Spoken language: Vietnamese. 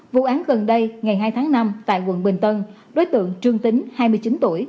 vụ án gần đây ngày hai tháng năm tại quận bình tân đối tượng trương tính hai mươi chín tuổi